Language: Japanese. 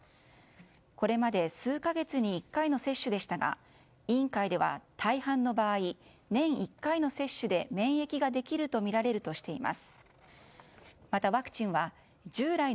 これまで数か月に１回の接種でしたが委員会では、大半の場合年１回の接種で免疫ができるとみられるとしています。